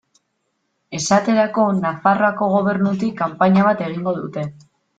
Esaterako Nafarroako Gobernutik kanpaina bat egingo dute.